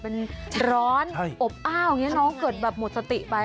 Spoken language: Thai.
มันร้อนอบอ้าวน้องเกิดแบบหมดสติไป